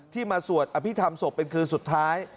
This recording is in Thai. มาสวดอภิษฐรรมศพเป็นคืนสุดท้าย